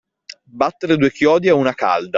Battere due chiodi a una calda.